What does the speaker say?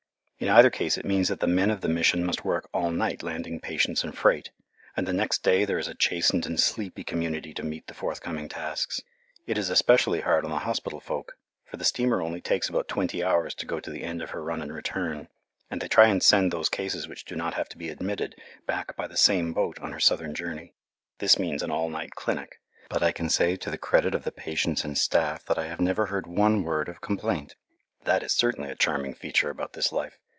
In either case it means that the men of the Mission must work all night landing patients and freight, and the next day there is a chastened and sleepy community to meet the forthcoming tasks. It is especially hard on the hospital folk, for the steamer only takes about twenty hours to go to the end of her run and return, and they try and send those cases which do not have to be admitted back by the same boat on her southern journey. This means an all night clinic. But I can say to the credit of the patients and staff that I have never heard one word of complaint. That is certainly a charming feature about this life.